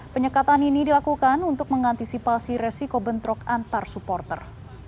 penyekatan ini dilakukan untuk mengantisipasi resiko bentrok antar supporter